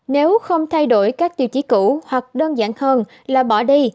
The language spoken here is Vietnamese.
nếu không thay đổi các tiêu chí cũ hoặc đơn giản hơn là bỏ đi